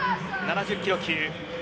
７０キロ級。